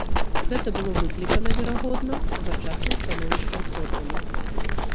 Гэта было выклікана, верагодна, тагачасным становішчам ордэна.